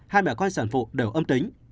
hai mẹ con sản phụ đều âm tính